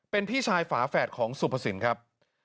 เป็นพี่ชายฝาแฝดของสุภสินครับ